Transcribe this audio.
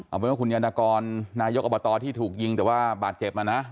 เอาเป็นว่าคุณยานกรนายกอบตที่ถูกยิงแต่ว่าบาดเจ็บอ่ะนะ